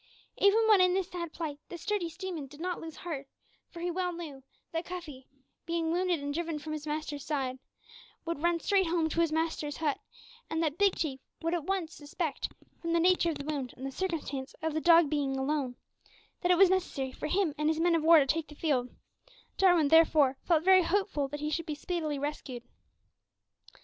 Even when in this sad plight the sturdy seaman did not lose heart, for he knew well that Cuffy being wounded and driven from his master's side, would run straight home to his master's hut, and that Big Chief would at once suspect, from the nature of the wound and the circumstance of the dog being alone, that it was necessary for him and his men of war to take the field; Jarwin, therefore, felt very hopeful that he should be speedily rescued.